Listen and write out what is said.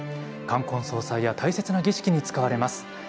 冠婚葬祭や大切な儀式に使われます。